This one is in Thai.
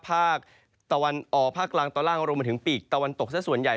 ภาคตะวันออกภาคกลางตอนล่างรวมมาถึงปีกตะวันตกซะส่วนใหญ่